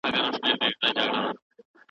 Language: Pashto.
دا چي امیل نه سومه ستا د غاړي